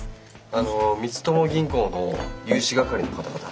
あの光友銀行の融資係の方々。